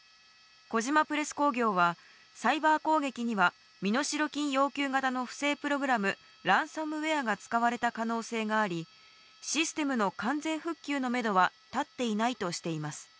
小島プレス工業はサイバー攻撃には身代金要求型の不正プログラム、ランサムウェアが使われた可能性があり、システムの完全復旧のめどは立っていないとしています。